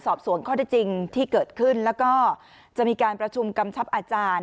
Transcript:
สอบสวนข้อที่จริงที่เกิดขึ้นแล้วก็จะมีการประชุมกำชับอาจารย์